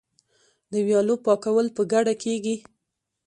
د ویالو پاکول په ګډه کیږي.